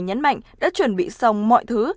nhấn mạnh đã chuẩn bị xong mọi thứ